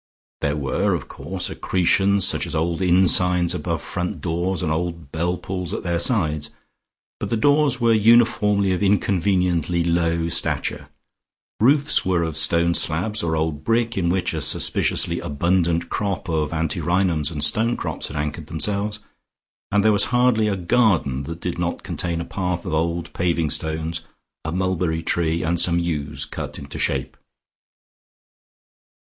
There were, of course, accretions such as old inn signs above front doors and old bell pulls at their sides, but the doors were uniformly of inconveniently low stature, roofs were of stone slabs or old brick, in which a suspiciously abundant crop of antirrhinums and stone crops had anchored themselves, and there was hardly a garden that did not contain a path of old paving stones, a mulberry tree and some yews cut into shape.